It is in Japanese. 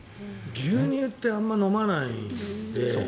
牛乳ってあまり飲まない。